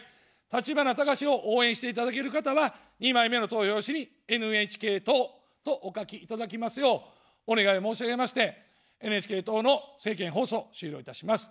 立花孝志を応援していただける方は、２枚目の投票用紙にＮＨＫ党とお書きいただきますようお願いを申し上げまして、ＮＨＫ党の政見放送を終了いたします。